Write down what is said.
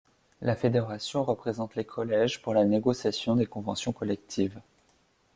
La Fédération représente les collèges pour la négociation des conventions collectives.